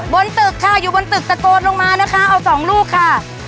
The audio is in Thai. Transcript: บนตึกค่ะอยู่บนตึกตะโกนลงมานะคะเอาสองลูกค่ะ